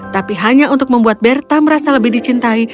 tapi hanya untuk membuat berta merasa lebih dicintai